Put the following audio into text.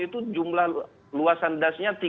itu jumlah luasan dasnya